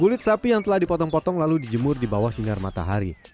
kulit sapi yang telah dipotong potong lalu dijemur di bawah sinar matahari